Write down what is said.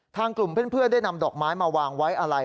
ทางกลุ่มเพื่อนได้นำดอกไม้มาวางไว้อะไร